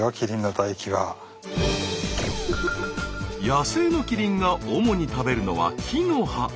野生のキリンが主に食べるのは木の葉。